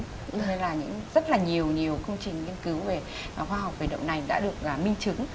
nên là rất là nhiều nhiều công trình nghiên cứu về khoa học về đậu nành đã được minh chứng